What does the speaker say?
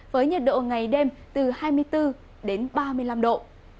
với nhiệt độ ngày đêm từ hai mươi bốn đến ba mươi năm độ